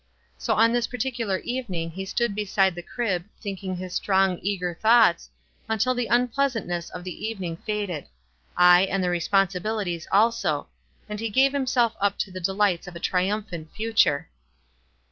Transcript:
So on this particular evening he stood beside the crib, thinking his strong, eager thoughts, until the unpleasantness of the evening faded — aye, and the responsibilities also — and he gave him self up to the delights of a triumphant future.